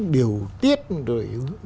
điều tiết rồi